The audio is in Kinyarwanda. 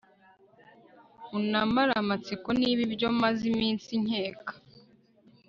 unamare amatsiko niba ibyo maze iminsi nkeka